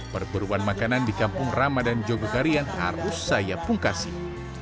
perburuan makanan di kampung ramadan jogokarian harus saya pungkasi